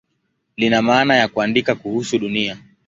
Lina maana ya "kuandika kuhusu Dunia".